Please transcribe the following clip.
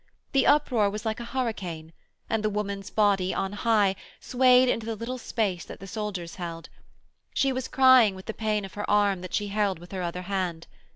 The uproar was like a hurricane and the woman's body, on high, swayed into the little space that the soldiers held. She was crying with the pain of her arm that she held with her other hand.